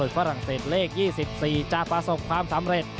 ฝรั่งเศสเลข๒๔จะประสบความสำเร็จ